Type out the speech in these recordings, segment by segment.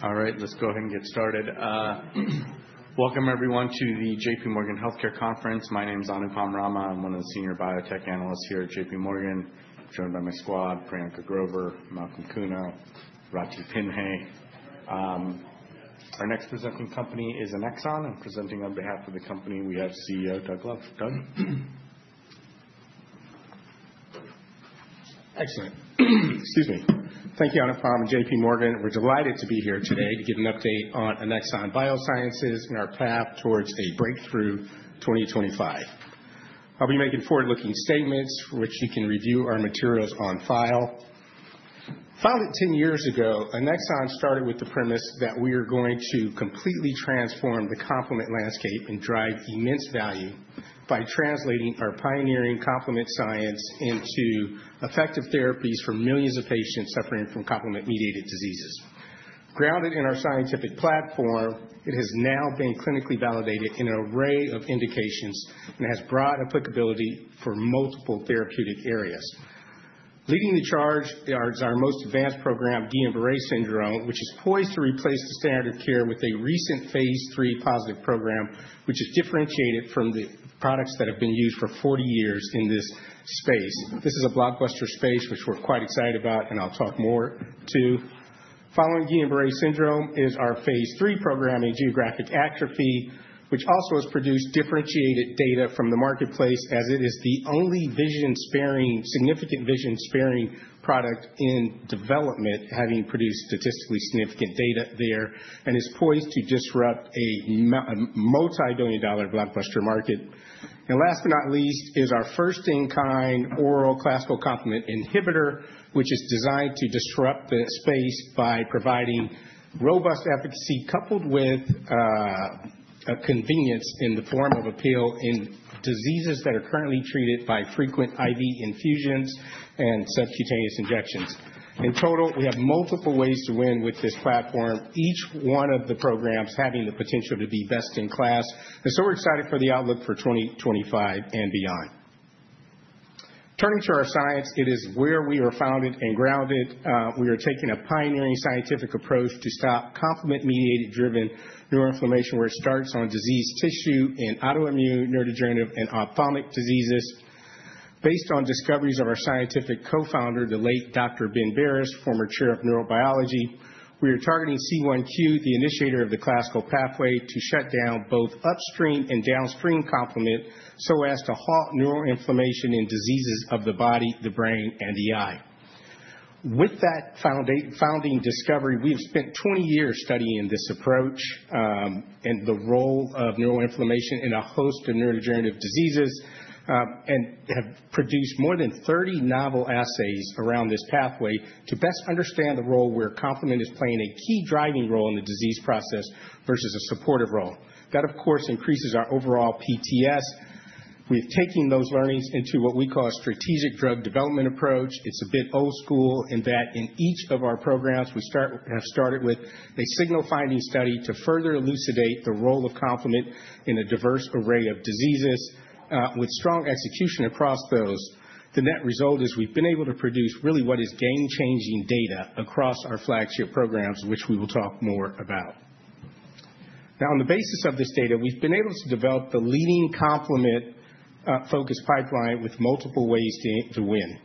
All right, let's go ahead and get started. Welcome, everyone, to the J.P. Morgan Healthcare Conference. My name is Anupam Rama. I'm one of the senior biotech analysts here at J.P. Morgan, joined by my squad, Priyanka Grover, Malcolm Kuno, and Rada Pinhasi. Our next presenting company is Annexon. I'm presenting on behalf of the company. We have CEO Doug Love. Doug? Excellent. Excuse me. Thank you, Anupam and J.P. Morgan. We're delighted to be here today to give an update on Annexon Biosciences and our path towards a breakthrough 2025. I'll be making forward-looking statements for which you can review our materials on file. Founded 10 years ago, Annexon started with the premise that we are going to completely transform the complement landscape and drive immense value by translating our pioneering complement science into effective therapies for millions of patients suffering from complement-mediated diseases. Grounded in our scientific platform, it has now been clinically validated in an array of indications and has broad applicability for multiple therapeutic areas. Leading the charge is our most advanced program, Guillain-Barré Syndrome, which is poised to replace the standard of care with a recent phase III positive program, which is differentiated from the products that have been used for 40 years in this space. This is a blockbuster space, which we're quite excited about, and I'll talk more too. Following Guillain-Barré Syndrome is our phase III program in geographic atrophy, which also has produced differentiated data from the marketplace, as it is the only significant vision-sparing product in development, having produced statistically significant data there, and is poised to disrupt a multi-billion-dollar blockbuster market, and last but not least is our first-in-kind oral classical complement inhibitor, which is designed to disrupt the space by providing robust efficacy coupled with convenience in the form of a pill in diseases that are currently treated by frequent IV infusions and subcutaneous injections. In total, we have multiple ways to win with this platform, each one of the programs having the potential to be best in class, and so we're excited for the outlook for 2025 and beyond. Turning to our science, it is where we are founded and grounded. We are taking a pioneering scientific approach to stop complement-mediated-driven neuroinflammation, where it starts on disease tissue in autoimmune, neurodegenerative, and ophthalmic diseases. Based on discoveries of our scientific co-founder, the late Dr. Ben Barres, former chair of neurobiology, we are targeting C1q, the initiator of the classical pathway, to shut down both upstream and downstream complement so as to halt neuroinflammation in diseases of the body, the brain, and the eye. With that founding discovery, we have spent 20 years studying this approach and the role of neuroinflammation in a host of neurodegenerative diseases and have produced more than 30 novel assays around this pathway to best understand the role where complement is playing a key driving role in the disease process versus a supportive role. That, of course, increases our overall PTS. We're taking those learnings into what we call a strategic drug development approach. It's a bit old school in that in each of our programs, we have started with a signal-finding study to further elucidate the role of complement in a diverse array of diseases with strong execution across those. The net result is we've been able to produce really what is game-changing data across our flagship programs, which we will talk more about. Now, on the basis of this data, we've been able to develop the leading complement-focused pipeline with multiple ways to win.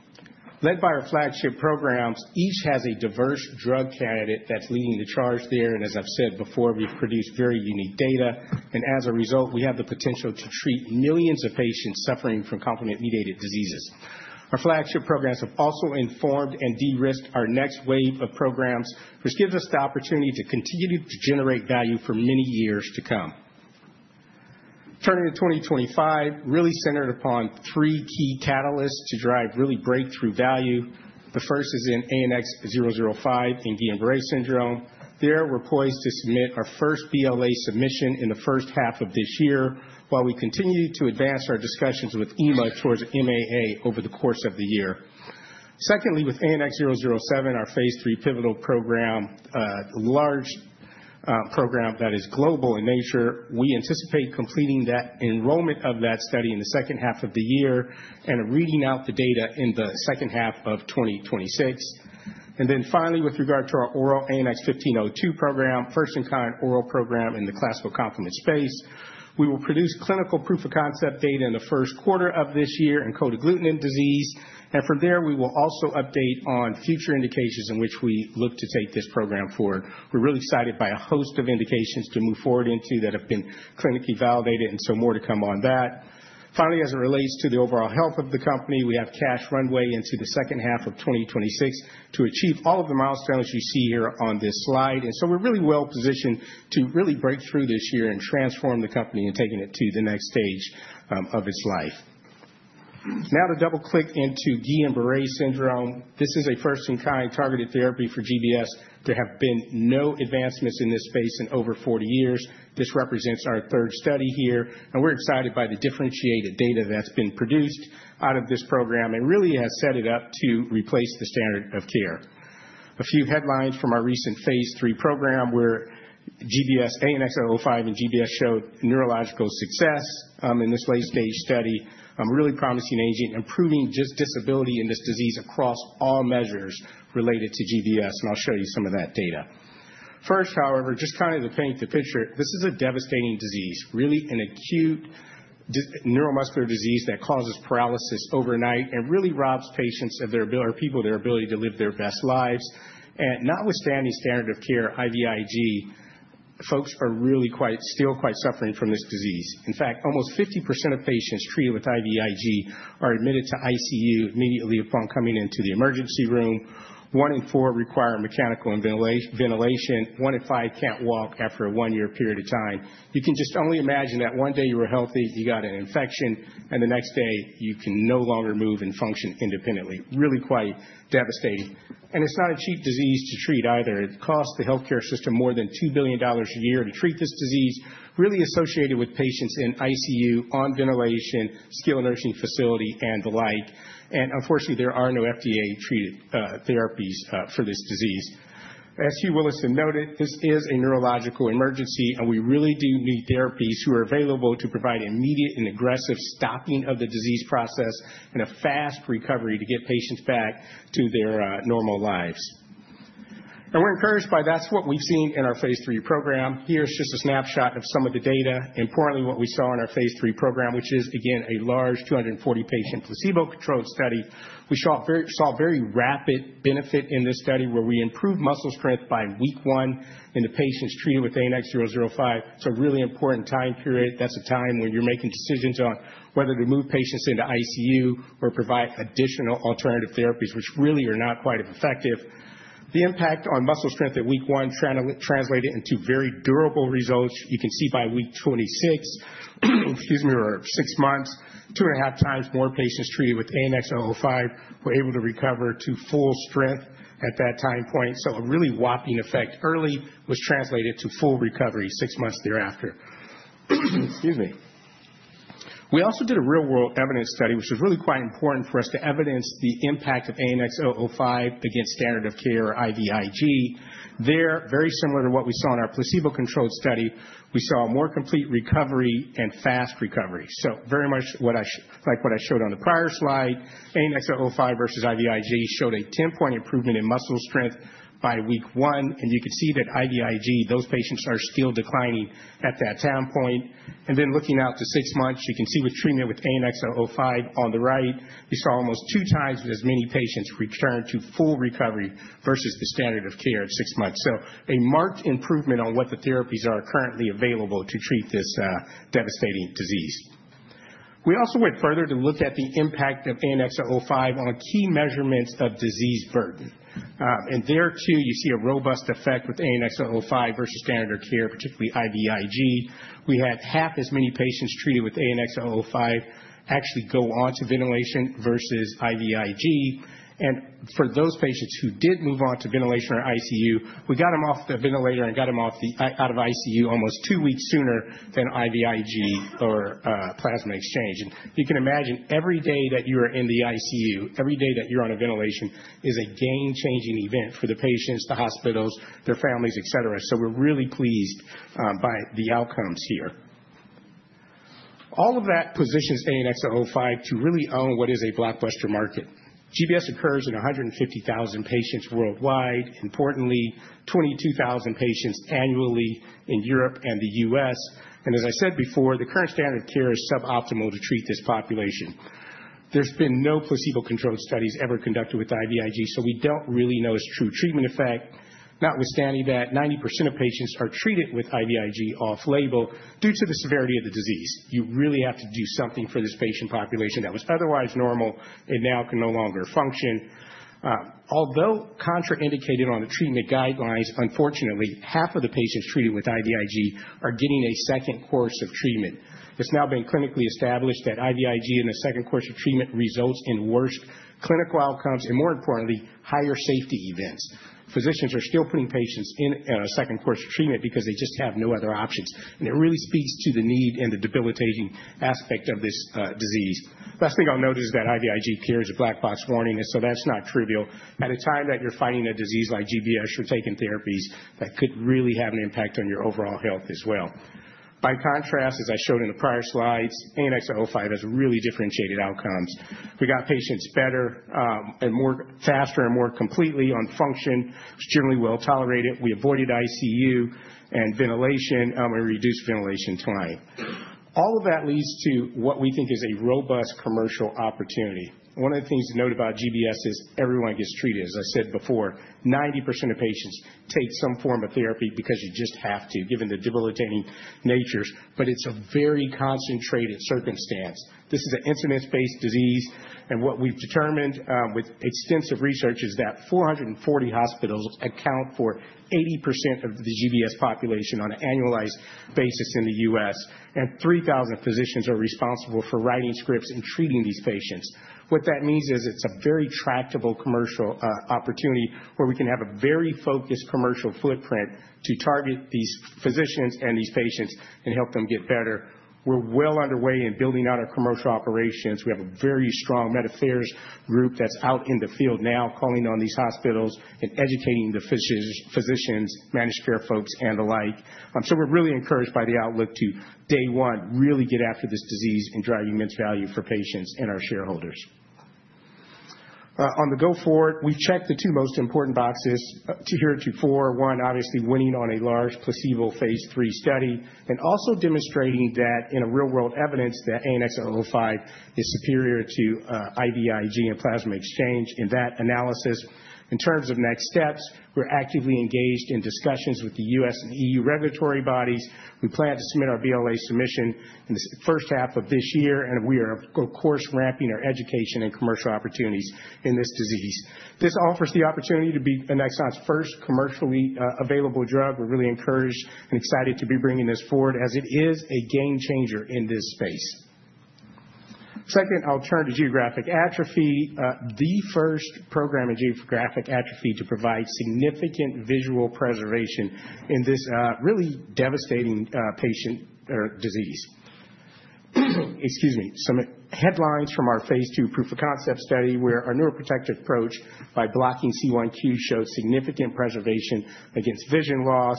Led by our flagship programs, each has a diverse drug candidate that's leading the charge there. And as I've said before, we've produced very unique data. And as a result, we have the potential to treat millions of patients suffering from complement-mediated diseases. Our flagship programs have also informed and de-risked our next wave of programs, which gives us the opportunity to continue to generate value for many years to come. Turning to 2025, really centered upon three key catalysts to drive really breakthrough value. The first is in ANX005 in Guillain-Barré Syndrome. There, we're poised to submit our first BLA submission in the first half of this year while we continue to advance our discussions with EMA towards MAA over the course of the year. Secondly, with ANX007, our phase III pivotal program, a large program that is global in nature, we anticipate completing that enrollment of that study in the second half of the year and reading out the data in the second half of 2026. And then finally, with regard to our oral ANX1502 program, first-in-kind oral program in the classical complement space, we will produce clinical proof-of-concept data in the first quarter of this year in cold agglutinin disease. And from there, we will also update on future indications in which we look to take this program forward. We're really excited by a host of indications to move forward into that have been clinically validated, and so more to come on that. Finally, as it relates to the overall health of the company, we have cash runway into the second half of 2026 to achieve all of the milestones you see here on this slide. And so we're really well positioned to really break through this year and transform the company and taking it to the next stage of its life. Now to double-click into Guillain-Barré Syndrome. This is a first-in-kind targeted therapy for GBS. There have been no advancements in this space in over 40 years. This represents our third study here. And we're excited by the differentiated data that's been produced out of this program and really has set it up to replace the standard of care. A few headlines from our recent phase III program where GBS ANX005 and GBS showed neurological success in this late-stage study, a really promising agent improving just disability in this disease across all measures related to GBS. And I'll show you some of that data. First, however, just kind of to paint the picture, this is a devastating disease, really an acute neuromuscular disease that causes paralysis overnight and really robs patients of their ability to live their best lives. And notwithstanding standard of care, IVIg, folks are really still quite suffering from this disease. In fact, almost 50% of patients treated with IVIg are admitted to ICU immediately upon coming into the emergency room. One in four require mechanical ventilation. One in five can't walk after a one-year period of time. You can just only imagine that one day you were healthy, you got an infection, and the next day you can no longer move and function independently. Really quite devastating. And it's not a cheap disease to treat either. It costs the healthcare system more than $2 billion a year to treat this disease, really associated with patients in ICU, on ventilation, skilled nursing facility, and the like. And unfortunately, there are no FDA-approved therapies for this disease. As Hugh Willison noted, this is a neurological emergency, and we really do need therapies who are available to provide immediate and aggressive stopping of the disease process and a fast recovery to get patients back to their normal lives. And we're encouraged by that's what we've seen in our phase III program. Here's just a snapshot of some of the data. Importantly, what we saw in our phase III program, which is, again, a large 240-patient placebo-controlled study, we saw very rapid benefit in this study where we improved muscle strength by week one in the patients treated with ANX005. It's a really important time period. That's a time when you're making decisions on whether to move patients into ICU or provide additional alternative therapies, which really are not quite as effective. The impact on muscle strength at week one translated into very durable results. You can see by week 26, excuse me, or six months, two and a half times more patients treated with ANX005 were able to recover to full strength at that time point, so a really whopping effect early was translated to full recovery six months thereafter. Excuse me. We also did a real-world evidence study, which is really quite important for us to evidence the impact of ANX005 against standard of care or IVIg. There, very similar to what we saw in our placebo-controlled study, we saw a more complete recovery and fast recovery, so very much like what I showed on the prior slide, ANX005 versus IVIg showed a 10-point improvement in muscle strength by week one, and you can see that IVIg, those patients are still declining at that time point. Then looking out to six months, you can see with treatment with ANX005 on the right, we saw almost two times as many patients return to full recovery versus the standard of care at six months. A marked improvement on what the therapies are currently available to treat this devastating disease. We also went further to look at the impact of ANX005 on key measurements of disease burden. There, too, you see a robust effect with ANX005 versus standard of care, particularly IVIg. We had half as many patients treated with ANX005 actually go on to ventilation versus IVIg. For those patients who did move on to ventilation or ICU, we got them off the ventilator and got them out of ICU almost two weeks sooner than IVIg or plasma exchange. You can imagine every day that you are in the ICU, every day that you're on a ventilation is a game-changing event for the patients, the hospitals, their families, et cetera. We're really pleased by the outcomes here. All of that positions ANX005 to really own what is a blockbuster market. GBS occurs in 150,000 patients worldwide. Importantly, 22,000 patients annually in Europe and the U.S. As I said before, the current standard of care is suboptimal to treat this population. There's been no placebo-controlled studies ever conducted with IVIg, so we don't really know its true treatment effect. Notwithstanding that, 90% of patients are treated with IVIg off-label due to the severity of the disease. You really have to do something for this patient population that was otherwise normal and now can no longer function. Although contraindicated on the treatment guidelines, unfortunately, half of the patients treated with IVIg are getting a second course of treatment. It's now been clinically established that IVIg and a second course of treatment results in worse clinical outcomes and, more importantly, higher safety events. Physicians are still putting patients in a second course of treatment because they just have no other options. And it really speaks to the need and the debilitating aspect of this disease. Last thing I'll note is that IVIg carries a black box warning, and so that's not trivial. At a time that you're fighting a disease like GBS or taking therapies, that could really have an impact on your overall health as well. By contrast, as I showed in the prior slides, ANX005 has really differentiated outcomes. We got patients better and faster and more completely on function. It was generally well tolerated. We avoided ICU and ventilation and reduced ventilation time. All of that leads to what we think is a robust commercial opportunity. One of the things to note about GBS is everyone gets treated. As I said before, 90% of patients take some form of therapy because you just have to, given the debilitating natures. But it's a very concentrated circumstance. This is an incidence-based disease. And what we've determined with extensive research is that 440 hospitals account for 80% of the GBS population on an annualized basis in the U.S. And 3,000 physicians are responsible for writing scripts and treating these patients. What that means is it's a very tractable commercial opportunity where we can have a very focused commercial footprint to target these physicians and these patients and help them get better. We're well underway in building out our commercial operations. We have a very strong Medicare group that's out in the field now calling on these hospitals and educating the physicians, managed care folks, and the like. So we're really encouraged by the outlook to, day one, really get after this disease and drive immense value for patients and our shareholders. On the go forward, we've checked the two most important boxes heretofore. One, obviously winning on a large placebo phase III study and also demonstrating that in real-world evidence that ANX005 is superior to IVIg and plasma exchange in that analysis. In terms of next steps, we're actively engaged in discussions with the U.S. and E.U. regulatory bodies. We plan to submit our BLA submission in the first half of this year, and we are, of course, ramping our education and commercial opportunities in this disease. This offers the opportunity to be Annexon's first commercially available drug. We're really encouraged and excited to be bringing this forward as it is a game changer in this space. Second, ANX007, geographic atrophy, the first program in geographic atrophy to provide significant visual preservation in this really devastating patient or disease. Excuse me. Some headlines from our phase II proof-of-concept study where our neuroprotective approach by blocking C1q showed significant preservation against vision loss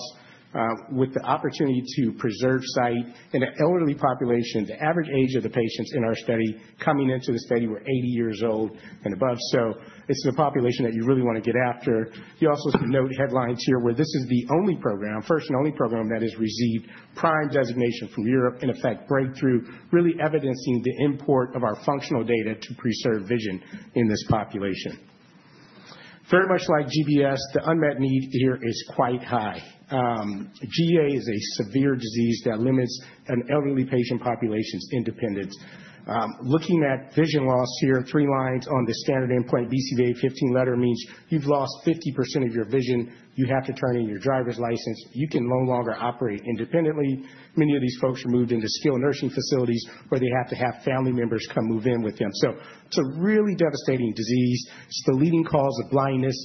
with the opportunity to preserve sight in an elderly population. The average age of the patients in our study coming into the study were 80 years old and above. So it's the population that you really want to get after. You also should note headlines here, where this is the only program, first and only program, that has received PRIME designation from Europe. In effect, breakthrough, really evidencing the import of our functional data to preserve vision in this population. Very much like GBS, the unmet need here is quite high. GA is a severe disease that limits an elderly patient population's independence. Looking at vision loss here, three lines on the standard endpoint BCVA 15 letter means you've lost 50% of your vision. You have to turn in your driver's license. You can no longer operate independently. Many of these folks are moved into skilled nursing facilities where they have to have family members come move in with them. So it's a really devastating disease. It's the leading cause of blindness.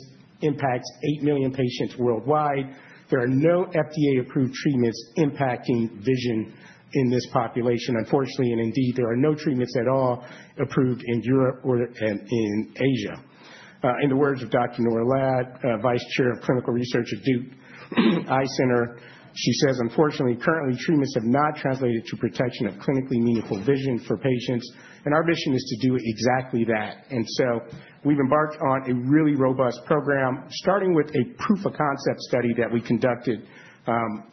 It impacts 8 million patients worldwide. There are no FDA-approved treatments impacting vision in this population. Unfortunately and indeed, there are no treatments at all approved in Europe or in Asia. In the words of Dr. Eleonora Lad, Vice Chair of Clinical Research at Duke Eye Center, she says, "Unfortunately, currently treatments have not translated to protection of clinically meaningful vision for patients," and our mission is to do exactly that, and so we've embarked on a really robust program, starting with a proof-of-concept study that we conducted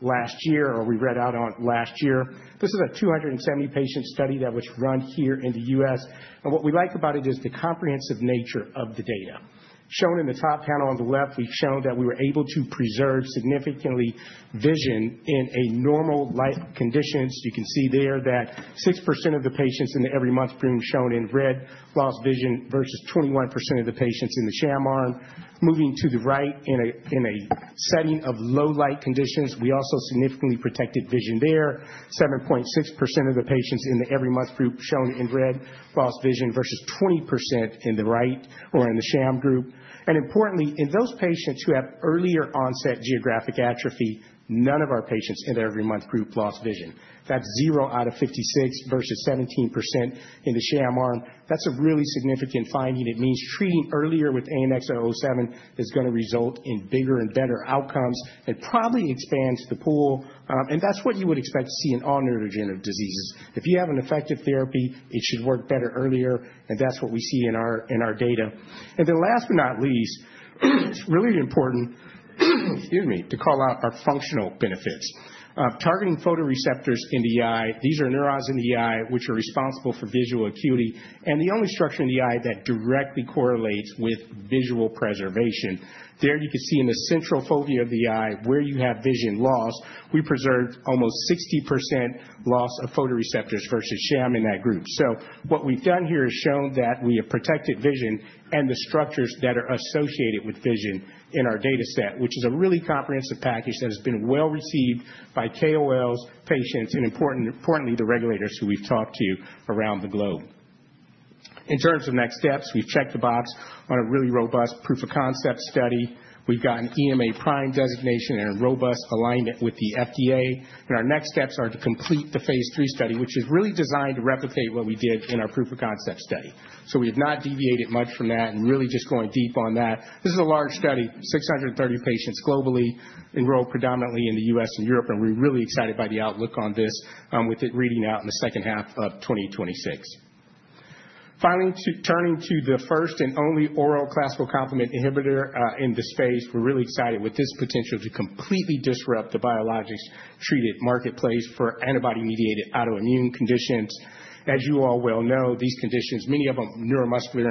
last year or we read out on last year. This is a 270-patient study that was run here in the U.S. And what we like about it is the comprehensive nature of the data. Shown in the top panel on the left, we've shown that we were able to preserve significantly vision in normal life conditions. You can see there that 6% of the patients in the every-month group shown in red lost vision versus 21% of the patients in the sham arm. Moving to the right in a setting of low-light conditions, we also significantly protected vision there. 7.6% of the patients in the every-month group shown in red lost vision versus 20% in the sham group, and importantly, in those patients who have earlier onset geographic Atrophy, none of our patients in the every-month group lost vision. That's 0 out of 56 versus 17% in the sham arm. That's a really significant finding. It means treating earlier with ANX007 is going to result in bigger and better outcomes and probably expands the pool, and that's what you would expect to see in all neurodegenerative diseases. If you have an effective therapy, it should work better earlier. And that's what we see in our data. And then last but not least, it's really important, excuse me, to call out our functional benefits. Targeting photoreceptors in the eye, these are neurons in the eye which are responsible for visual acuity and the only structure in the eye that directly correlates with visual preservation. There you can see in the central fovea of the eye where you have vision loss, we preserved almost 60% loss of photoreceptors versus sham in that group. So what we've done here is shown that we have protected vision and the structures that are associated with vision in our data set, which is a really comprehensive package that has been well received by KOLs, patients, and importantly, the regulators who we've talked to around the globe. In terms of next steps, we've checked the box on a really robust proof-of-concept study. We've got an EMA PRIME designation and a robust alignment with the FDA. And our next steps are to complete the phase III study, which is really designed to replicate what we did in our proof-of-concept study. So we have not deviated much from that and really just going deep on that. This is a large study, 630 patients globally, enrolled predominantly in the U.S. and Europe. And we're really excited by the outlook on this with it reading out in the second half of 2026. Finally, turning to the first and only oral classical complement inhibitor in this phase, we're really excited with this potential to completely disrupt the biologics-treated marketplace for antibody-mediated autoimmune conditions. As you all well know, these conditions, many of them neuromuscular,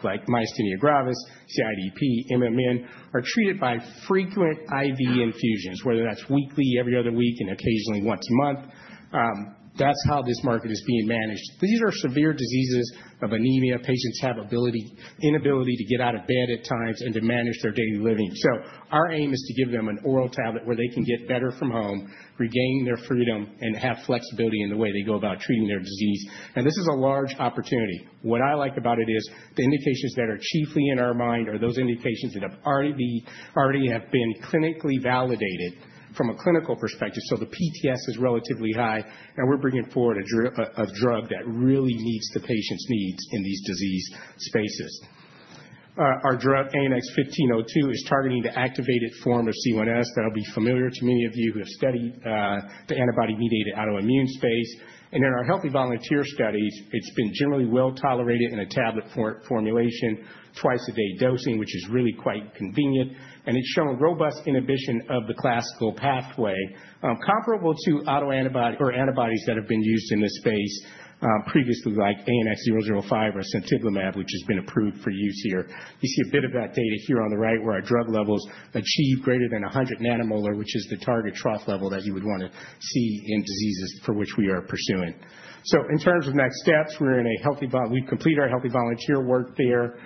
like myasthenia gravis, CIDP, MMN, are treated by frequent IV infusions, whether that's weekly, every other week, and occasionally once a month. That's how this market is being managed. These are severe diseases of anemia. Patients have inability to get out of bed at times and to manage their daily living, so our aim is to give them an oral tablet where they can get better from home, regain their freedom, and have flexibility in the way they go about treating their disease, and this is a large opportunity. What I like about it is the indications that are chiefly in our mind are those indications that have already been clinically validated from a clinical perspective, so the PTS is relatively high, and we're bringing forward a drug that really meets the patient's needs in these disease spaces. Our drug, ANX1502, is targeting the activated form of C1s that will be familiar to many of you who have studied the antibody-mediated autoimmune space. In our healthy volunteer studies, it's been generally well tolerated in a tablet formulation, twice-a-day dosing, which is really quite convenient. It's shown robust inhibition of the classical pathway comparable to autoantibodies or antibodies that have been used in this space previously, like ANX005 or sutimlimab, which has been approved for use here. You see a bit of that data here on the right where our drug levels achieve greater than 100 nanomolar, which is the target trough level that you would want to see in diseases for which we are pursuing. In terms of next steps, we've completed our healthy volunteer work there.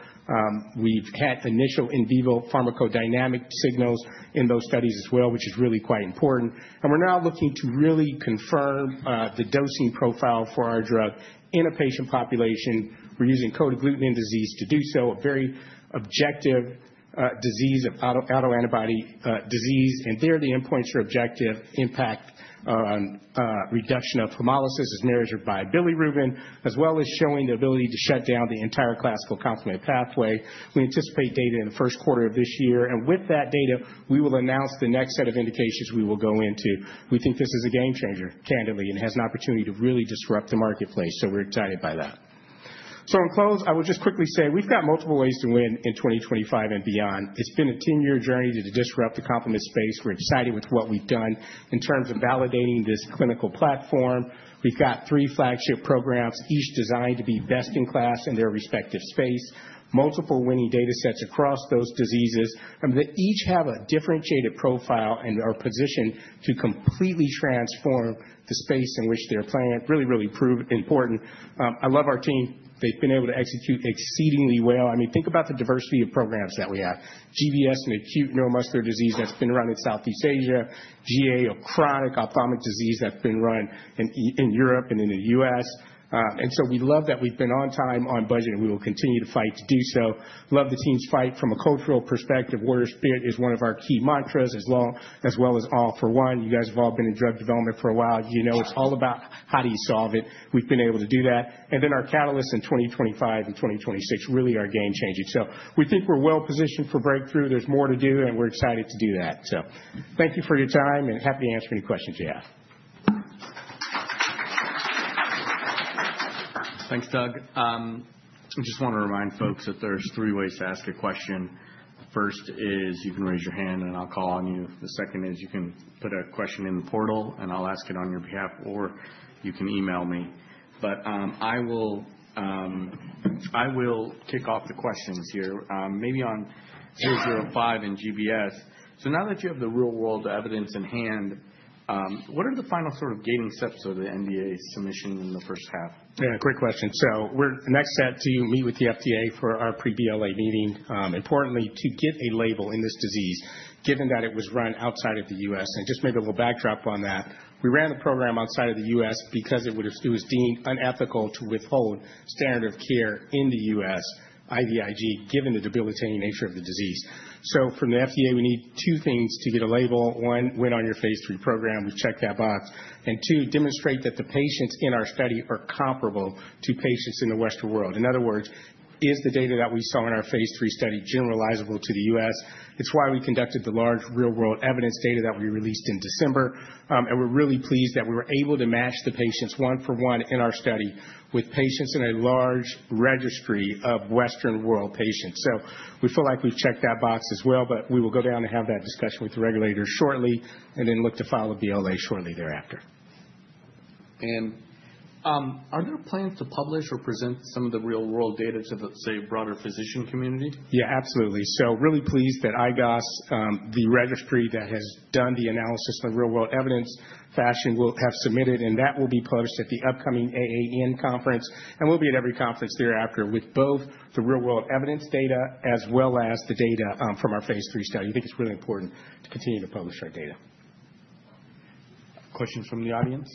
We've had initial in vivo pharmacodynamic signals in those studies as well, which is really quite important. We're now looking to really confirm the dosing profile for our drug in a patient population. We're using cold agglutinin disease to do so, a very objective autoantibody disease, and there, the endpoints are objective impact on reduction of hemolysis as measured by bilirubin, as well as showing the ability to shut down the entire classical complement pathway. We anticipate data in the first quarter of this year, and with that data, we will announce the next set of indications we will go into. We think this is a game changer, candidly, and has an opportunity to really disrupt the marketplace, so we're excited by that. In closing, I would just quickly say we've got multiple ways to win in 2025 and beyond. It's been a 10-year journey to disrupt the complement space. We're excited with what we've done in terms of validating this clinical platform. We've got three flagship programs, each designed to be best in class in their respective space, multiple winning data sets across those diseases, and they each have a differentiated profile and are positioned to completely transform the space in which they're playing. Really, really important. I love our team. They've been able to execute exceedingly well. I mean, think about the diversity of programs that we have. GBS and acute neuromuscular disease that's been run in Southeast Asia. GA of chronic ophthalmic disease that's been run in Europe and in the US. And so we love that we've been on time on budget, and we will continue to fight to do so. Love the team's fight from a cultural perspective. Warrior spirit is one of our key mantras, as well as all for one. You guys have all been in drug development for a while. You know, it's all about how do you solve it. We've been able to do that. And then our catalysts in 2025 and 2026 really are game changing. So we think we're well positioned for breakthrough. There's more to do, and we're excited to do that. So thank you for your time, and happy to answer any questions you have. Thanks, Doug. I just want to remind folks that there's three ways to ask a question. The first is you can raise your hand, and I'll call on you. The second is you can put a question in the portal, and I'll ask it on your behalf, or you can email me. But I will kick off the questions here, maybe on ANX005 and GBS. So now that you have the real-world evidence in hand, what are the final sort of gating steps of the NDA submission in the first half? Yeah, great question. So we're next set to meet with the FDA for our pre-BLA meeting. Importantly, to get a label in this disease, given that it was run outside of the U.S. And just maybe a little backdrop on that. We ran the program outside of the U.S. because it was deemed unethical to withhold standard of care in the U.S., IVIg, given the debilitating nature of the disease. So from the FDA, we need two things to get a label. One, win on your phase III program. We check that box. And two, demonstrate that the patients in our study are comparable to patients in the Western world. In other words, is the data that we saw in our phase 3 study generalizable to the US? It's why we conducted the large real-world evidence data that we released in December. And we're really pleased that we were able to match the patients one-for-one in our study with patients in a large registry of Western world patients. So we feel like we've checked that box as well. But we will go down and have that discussion with the regulator shortly and then look to follow BLA shortly thereafter. And are there plans to publish or present some of the real-world data to the, say, broader physician community? Yeah, absolutely. So really pleased that IGOS, the registry that has done the analysis in the real-world evidence fashion, will have submitted, and that will be published at the upcoming AAN conference. And we'll be at every conference thereafter with both the real-world evidence data as well as the data from our phase III study. We think it's really important to continue to publish our data. Questions from the audience?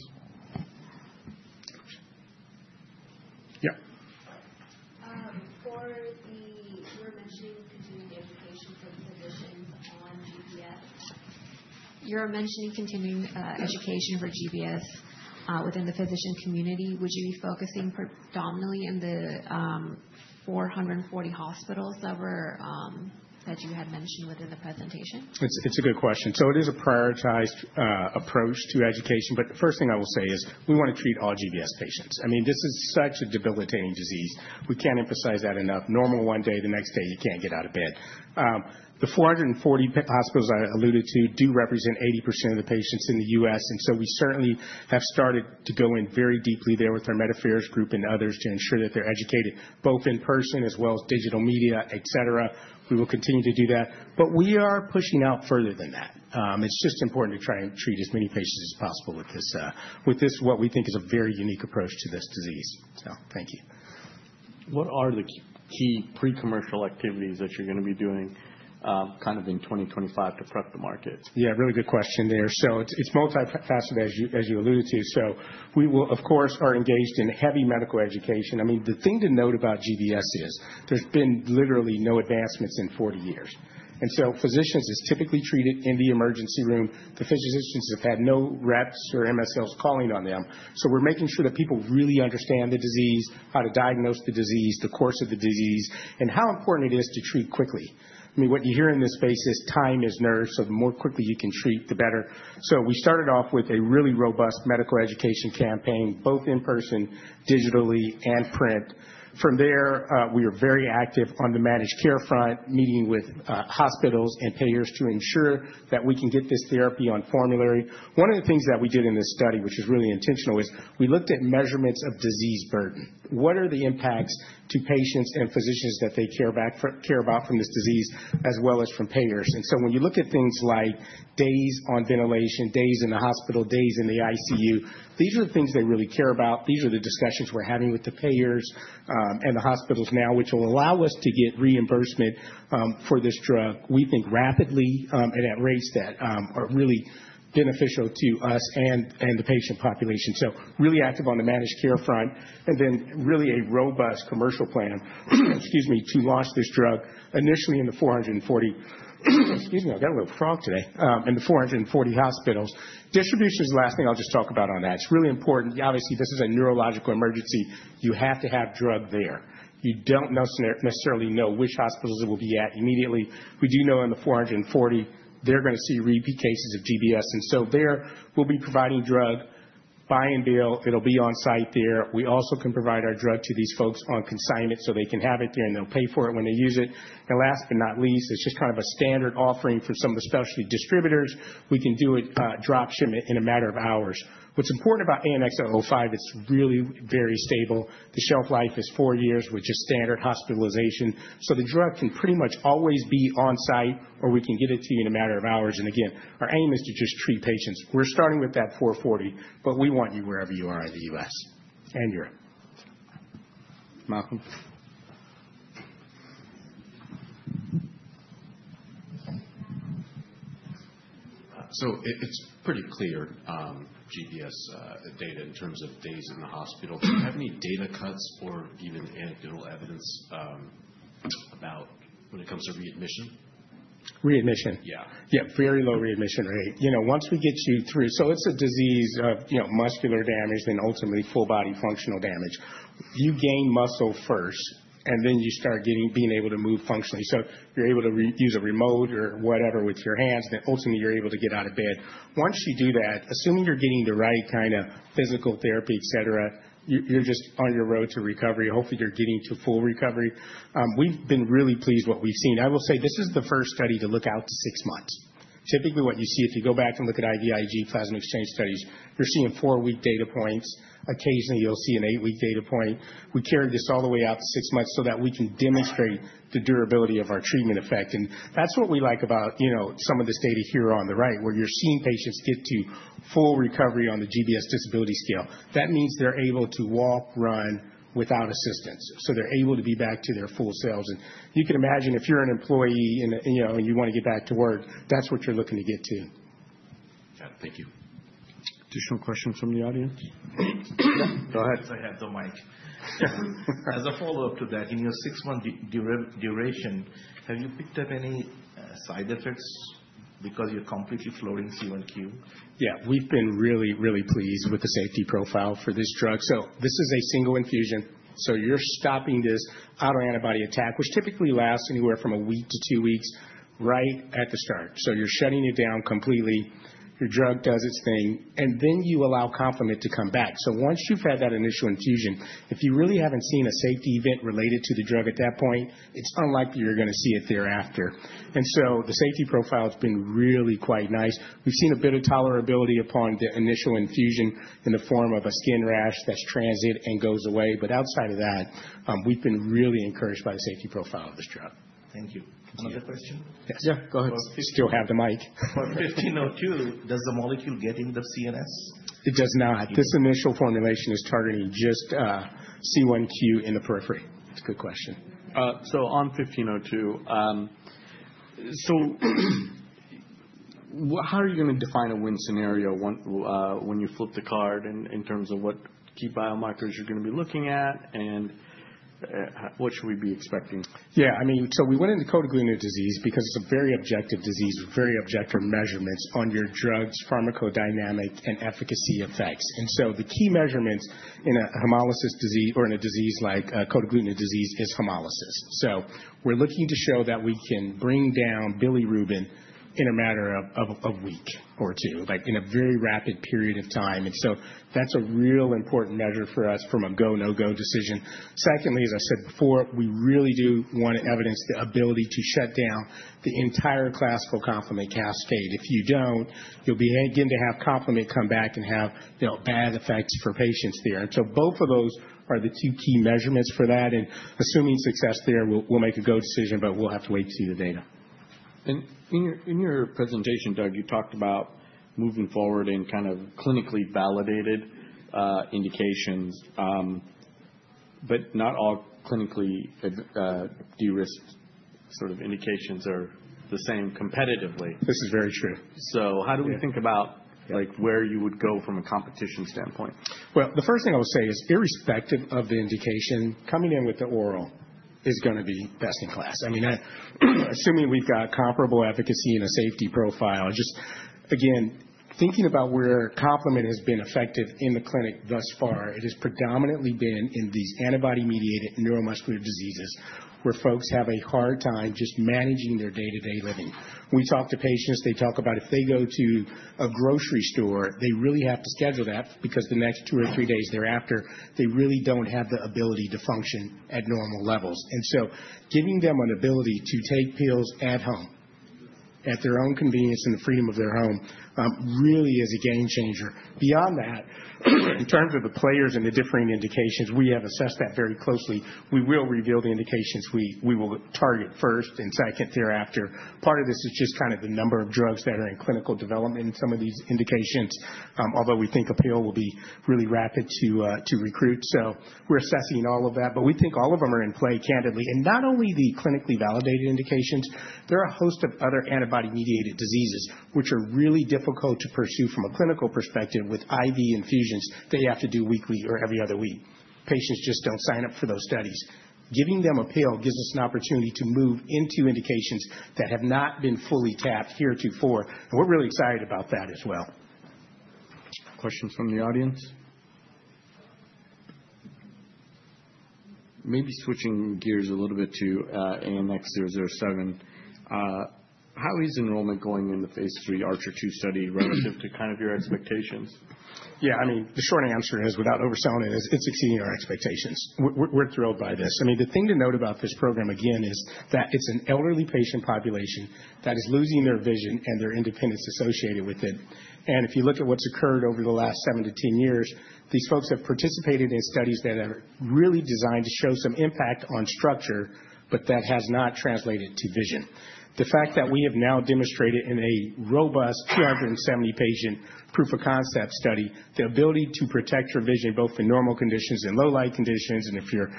Yeah. For the, you were mentioning continuing education for physicians on GBS. You were mentioning continuing education for GBS within the physician community. Would you be focusing predominantly in the 440 hospitals that you had mentioned within the presentation? It's a good question. So it is a prioritized approach to education. But the first thing I will say is we want to treat all GBS patients. I mean, this is such a debilitating disease. We can't emphasize that enough. Normal one day, the next day you can't get out of bed. The 440 hospitals I alluded to do represent 80% of the patients in the US. And so we certainly have started to go in very deeply there with our Medicare group and others to ensure that they're educated both in person as well as digital media, et cetera. We will continue to do that. But we are pushing out further than that. It's just important to try and treat as many patients as possible with this, what we think is a very unique approach to this disease. So thank you. What are the key pre-commercial activities that you're going to be doing kind of in 2025 to prep the market? Yeah, really good question there. So it's multifaceted, as you alluded to. So we, of course, are engaged in heavy medical education. I mean, the thing to note about GBS is there's been literally no advancements in 40 years. And so patients are typically treated in the emergency room. The physicians have had no reps or MSLs calling on them, so we're making sure that people really understand the disease, how to diagnose the disease, the course of the disease, and how important it is to treat quickly. I mean, what you hear in this space is time is nerves. The more quickly you can treat, the better. We started off with a really robust medical education campaign, both in person, digitally, and print. From there, we are very active on the managed care front, meeting with hospitals and payers to ensure that we can get this therapy on formulary. One of the things that we did in this study, which is really intentional, is we looked at measurements of disease burden. What are the impacts to patients and physicians that they care about from this disease as well as from payers? And so when you look at things like days on ventilation, days in the hospital, days in the ICU, these are the things they really care about. These are the discussions we're having with the payers and the hospitals now, which will allow us to get reimbursement for this drug, we think, rapidly and at rates that are really beneficial to us and the patient population. So really active on the managed care front. And then really a robust commercial plan, excuse me, to launch this drug initially in the 440. Excuse me, I got a little frog today. In the 440 hospitals. Distribution is the last thing I'll just talk about on that. It's really important. Obviously, this is a neurological emergency. You have to have drug there. You don't necessarily know which hospitals it will be at immediately. We do know in the ED, they're going to see repeat cases of GBS. And so there we'll be providing drug buy and bill. It'll be on site there. We also can provide our drug to these folks on consignment so they can have it there and they'll pay for it when they use it. And last but not least, it's just kind of a standard offering from some of the specialty distributors. We can do it drop shipment in a matter of hours. What's important about ANX005, it's really very stable. The shelf life is four years with just standard refrigeration. So the drug can pretty much always be on site or we can get it to you in a matter of hours. And again, our aim is to just treat patients. We're starting with that 440, but we want you wherever you are in the U.S. and Europe, Malcolm. So it's pretty clear GBS data in terms of days in the hospital. Do you have any data cuts or even anecdotal evidence about when it comes to readmission? Readmission? Yeah. Yeah, very low readmission rate. Once we get you through, so it's a disease of muscular damage and ultimately full-body functional damage. You gain muscle first, and then you start being able to move functionally. So you're able to use a remote or whatever with your hands. Then ultimately, you're able to get out of bed. Once you do that, assuming you're getting the right kind of physical therapy, et cetera, you're just on your road to recovery. Hopefully, you're getting to full recovery. We've been really pleased with what we've seen. I will say this is the first study to look out to six months. Typically, what you see if you go back and look at IVIg plasma exchange studies, you're seeing four-week data points. Occasionally, you'll see an eight-week data point. We carry this all the way out to six months so that we can demonstrate the durability of our treatment effect. And that's what we like about some of this data here on the right, where you're seeing patients get to full recovery on the GBS disability scale. That means they're able to walk, run without assistance. So they're able to be back to their full selves. And you can imagine if you're an employee and you want to get back to work, that's what you're looking to get to. Yeah, thank you. Additional questions from the audience? Go ahead. I have the mic. As a follow-up to that, in your six-month duration, have you picked up any side effects because you're completely blocking C1q? Yeah, we've been really, really pleased with the safety profile for this drug. So this is a single infusion. So you're stopping this autoantibody attack, which typically lasts anywhere from a week to two weeks right at the start. So you're shutting it down completely. Your drug does its thing. And then you allow complement to come back. So once you've had that initial infusion, if you really haven't seen a safety event related to the drug at that point, it's unlikely you're going to see it thereafter. And so the safety profile has been really quite nice. We've seen a bit of tolerability upon the initial infusion in the form of a skin rash that's transient and goes away. But outside of that, we've been really encouraged by the safety profile of this drug. Thank you. Another question? Yes. Yeah, go ahead. Still have the mic. For 1502, does the molecule get into the CNS? It does not. This initial formulation is targeting just C1q in the periphery. It's a good question. So on 1502, so how are you going to define a win scenario when you flip the card in terms of what key biomarkers you're going to be looking at and what should we be expecting? Yeah, I mean, so we went into cold agglutinin disease because it's a very objective disease, very objective measurements on your drug's pharmacodynamic and efficacy effects. And so the key measurements in a hemolysis disease or in a disease like cold agglutinin disease is hemolysis. So we're looking to show that we can bring down bilirubin in a matter of a week or two, like in a very rapid period of time. And so that's a real important measure for us from a go, no-go decision. Secondly, as I said before, we really do want to evidence the ability to shut down the entire classical complement cascade. If you don't, you'll begin to have complement come back and have bad effects for patients there. And so both of those are the two key measurements for that. And assuming success there, we'll make a go decision, but we'll have to wait to see the data. And in your presentation, Doug, you talked about moving forward in kind of clinically validated indications, but not all clinically de-risked sort of indications are the same competitively. This is very true. How do we think about where you would go from a competition standpoint? The first thing I will say is irrespective of the indication, coming in with the oral is going to be best in class. I mean, assuming we've got comparable efficacy and a safety profile. Just again, thinking about where complement has been effective in the clinic thus far, it has predominantly been in these antibody-mediated neuromuscular diseases where folks have a hard time just managing their day-to-day living. We talk to patients. They talk about if they go to a grocery store, they really have to schedule that because the next two or three days thereafter, they really don't have the ability to function at normal levels, and so giving them an ability to take pills at home at their own convenience and the freedom of their home really is a game changer. Beyond that, in terms of the players and the differing indications, we have assessed that very closely. We will reveal the indications. We will target first and second thereafter. Part of this is just kind of the number of drugs that are in clinical development in some of these indications, although we think a pill will be really rapid to recruit, so we're assessing all of that, but we think all of them are in play, candidly, and not only the clinically validated indications, there are a host of other antibody-mediated diseases, which are really difficult to pursue from a clinical perspective with IV infusions that you have to do weekly or every other week. Patients just don't sign up for those studies. Giving them a pill gives us an opportunity to move into indications that have not been fully tapped here too far, and we're really excited about that as well. Questions from the audience? Maybe switching gears a little bit to ANX007. How is enrollment going in the phase III Archer II study relative to kind of your expectations? Yeah, I mean, the short answer is, without overselling it, it's exceeding our expectations. We're thrilled by this. I mean, the thing to note about this program, again, is that it's an elderly patient population that is losing their vision and their independence associated with it. And if you look at what's occurred over the last seven to 10 years, these folks have participated in studies that are really designed to show some impact on structure, but that has not translated to vision. The fact that we have now demonstrated in a robust 270-patient proof of concept study, the ability to protect your vision both in normal conditions and low-light conditions, and if you're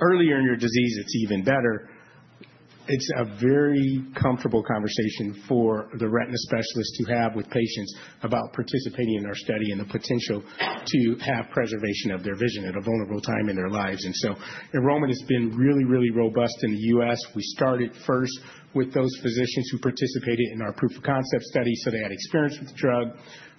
earlier in your disease, it's even better. It's a very comfortable conversation for the retina specialist to have with patients about participating in our study and the potential to have preservation of their vision at a vulnerable time in their lives. And so enrollment has been really, really robust in the U.S. We started first with those physicians who participated in our proof of concept study. So they had experience with the drug.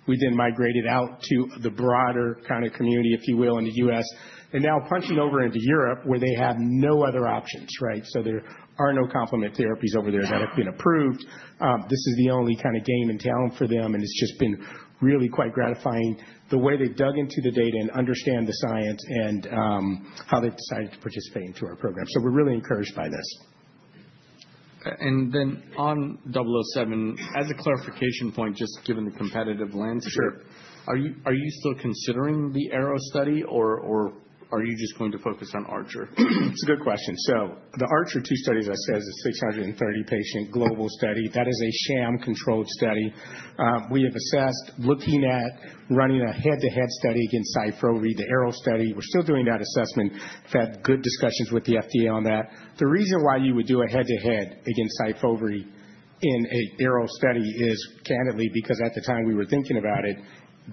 We then migrated out to the broader kind of community, if you will, in the U.S., and now punching over into Europe where they have no other options, right? So there are no complement therapies over there that have been approved. This is the only kind of game in town for them, and it's just been really quite gratifying the way they dug into the data and understand the science and how they decided to participate into our program. So we're really encouraged by this. And then on 007, as a clarification point, just given the competitive landscape, are you still considering the Archer study, or are you just going to focus on Archer? It's a good question. So the Archer II study, as I said, is a 630-patient global study. That is a sham-controlled study. We have assessed looking at running a head-to-head study against Syfovre over the Archer study. We're still doing that assessment. We've had good discussions with the FDA on that. The reason why you would do a head-to-head against Syfovre in the ARCHER study is, candidly, because at the time we were thinking about it,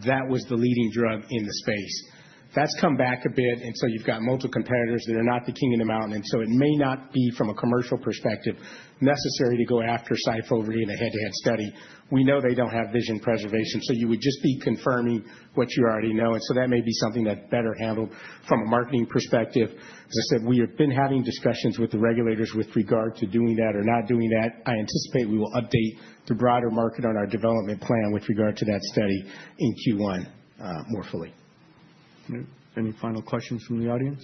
that was the leading drug in the space. That's come back a bit, and so you've got multiple competitors that are not the king of the mountain, and so it may not be, from a commercial perspective, necessary to go after Syfovre in a head-to-head study. We know they don't have vision preservation, so you would just be confirming what you already know, and so that may be something that's better handled from a marketing perspective. As I said, we have been having discussions with the regulators with regard to doing that or not doing that. I anticipate we will update the broader market on our development plan with regard to that study in Q1 more fully. Any final questions from the audience?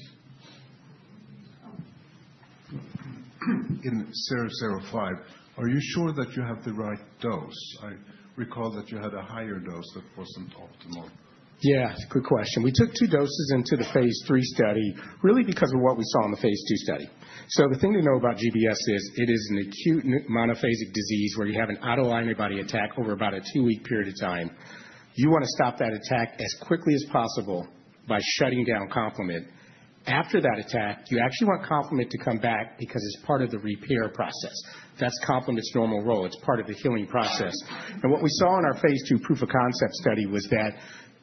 In ANX005, are you sure that you have the right dose? I recall that you had a higher dose that wasn't optimal. Yeah, it's a good question. We took two doses into the phase III study really because of what we saw in the phase II study. So the thing to know about GBS is it is an acute monophasic disease where you have an autoantibody attack over about a two-week period of time. You want to stop that attack as quickly as possible by shutting down complement. After that attack, you actually want complement to come back because it's part of the repair process. That's complement's normal role. It's part of the healing process. And what we saw in our phase II proof of concept study was that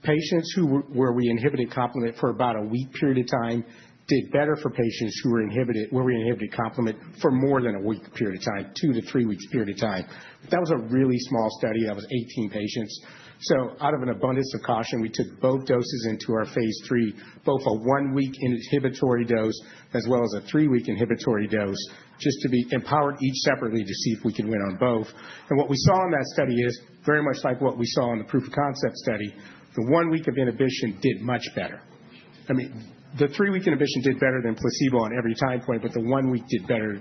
patients who were inhibited complement for about a week period of time did better for patients who were inhibited where we inhibited complement for more than a week period of time, two to three weeks period of time. That was a really small study. That was 18 patients. So out of an abundance of caution, we took both doses into our phase III, both a one-week inhibitory dose as well as a three-week inhibitory dose just to be empowered each separately to see if we can win on both. And what we saw in that study is very much like what we saw in the proof of concept study. The one week of inhibition did much better. I mean, the three-week inhibition did better than placebo on every time point, but the one week did better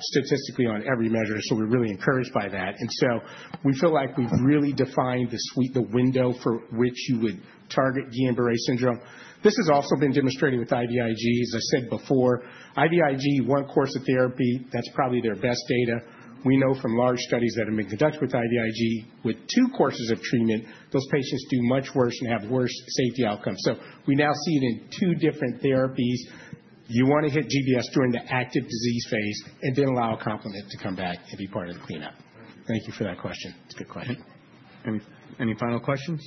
statistically on every measure. So we're really encouraged by that. And so we feel like we've really defined the window for which you would target Guillain-Barré syndrome. This has also been demonstrated with IVIg, as I said before. IVIg, one course of therapy, that's probably their best data. We know from large studies that have been conducted with IVIg, with two courses of treatment, those patients do much worse and have worse safety outcomes. So we now see it in two different therapies. You want to hit GBS during the active disease phase and then allow complement to come back and be part of the cleanup. Thank you for that question. It's a good question. Any final questions?